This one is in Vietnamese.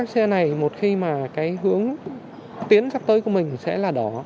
cái hướng tiến sắp tới của mình sẽ là đó